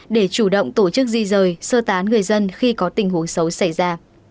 để chủ động tổ chức di rời sơ tán người dân khi có tình huống xấu xảy ra